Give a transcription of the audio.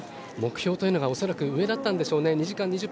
目標というのが恐らく上だったんでしょうね。